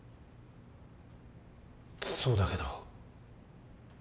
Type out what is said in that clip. そうだけどでも。